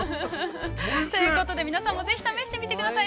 ◆ということで、皆さんもぜひ試してみてください。